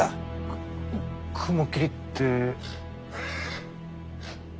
く雲霧って。